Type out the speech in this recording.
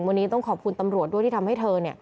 วันนี้ต้องขอบคุณตำรวจด้วยที่ทำให้เธอ